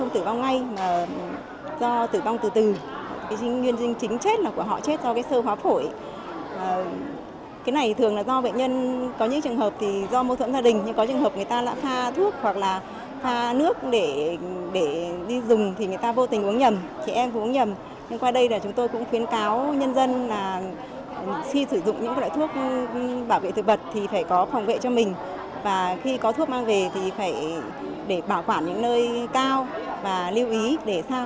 trong các loại thuốc bảo vệ thực vật thuốc diệt cỏ thì phải có phòng vệ cho mình và khi có thuốc mang về thì phải để bảo quản những nơi cao và lưu ý để sao